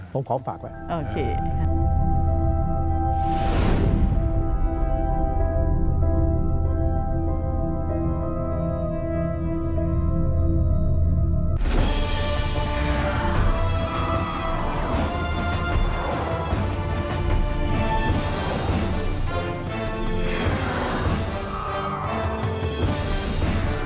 ผมขอฝากแหละ